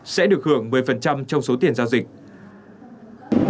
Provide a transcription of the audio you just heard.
sẽ được hưởng một mươi trong số tiền giao dịch